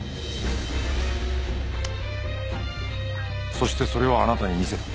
そしてそれをあなたに見せた。